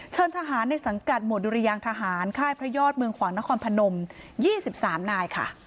ทหารในสังกัดหมวดดุรยางทหารค่ายพระยอดเมืองขวางนครพนม๒๓นายค่ะ